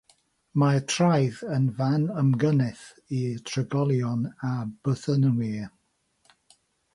Mae'r traeth yn fan ymgynnull i'r trigolion a'r bythynwyr.